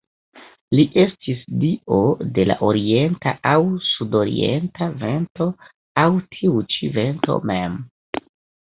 Li estis dio de la orienta aŭ sudorienta vento aŭ tiu ĉi vento mem.